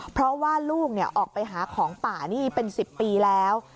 เพราะว่าลูกออกไปหาของป่านี่เป็น๑๐ปีแล้ว